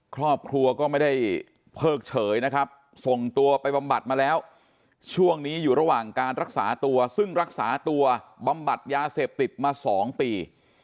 ครอบครัวก็ไม่ได้เพิกเฉยนะครับส่งตัวไปบำบัดมาแล้วช่วงนี้อยู่ระหว่างการรักษาตัวซึ่งรักษาตัวบำบัดยาเสพติดมา๒ปี